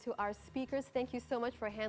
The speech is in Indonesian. terima kasih banyak untuk